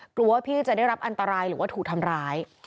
กลัวว่าพี่จะได้รับอันตรายหรือว่าถูกทำร้าย